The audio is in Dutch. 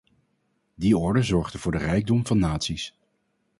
Die orde zorgde voor de rijkdom van naties.